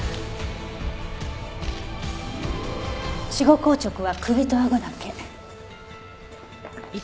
死後硬直は首とあごだけ。